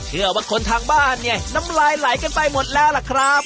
เที่ยวว่าคนทางบ้านนำลายไหลกันไปหมดแล้วล่ะครับ